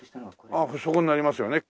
ああそこになりますよね。